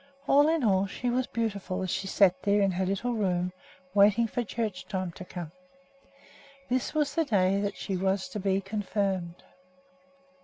All in all, she was beautiful, as she sat there in her little room waiting for church time to come. This was the day that she was to be confirmed.